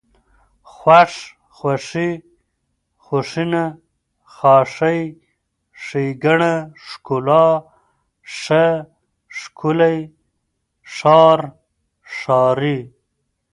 خوښ، خوښي، خوښېنه، خاښۍ، ښېګڼه، ښکلا، ښه، ښکلی، ښار، ښاري